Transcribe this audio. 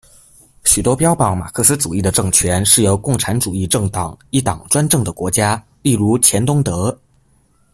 许多标榜马克思主义的政权是由共产主义政党一党专政的国家，例如前东德。